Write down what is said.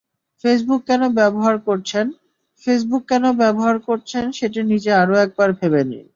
Facebook কেন ব্যবহার করছেনফেসবুক কেন ব্যবহার করছেন, সেটি নিজে আরও একবার ভেবে নিন।